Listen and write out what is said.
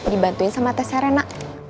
dibantuin sama tes serena